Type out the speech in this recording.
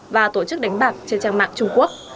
và tổ chức đánh bạc trên trang mạng trung quốc